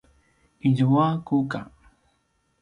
izua kuka